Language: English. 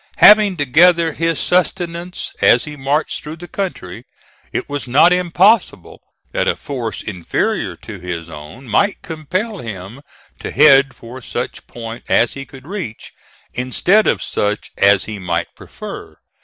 Having to gather his subsistence as he marched through the country, it was not impossible that a force inferior to his own might compel him to head for such point as he could reach, instead of such as he might prefer.